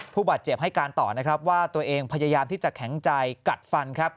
ผู้บาดเจ็บให้การต่อนะครับว่าตัวเองพยายามที่จะแข็งใจกัดฟันครับ